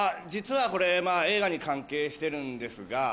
実はこれ映画に関係してるんですが。